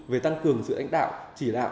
về tăng cường sự đánh đạo chỉ đạo